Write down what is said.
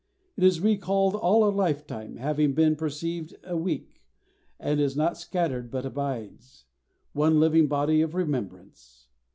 It is recalled all a lifetime, having been perceived a week, and is not scattered but abides, one living body of remembrance.